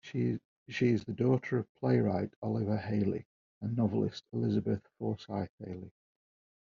She is the daughter of playwright Oliver Hailey and novelist Elizabeth Forsythe Hailey.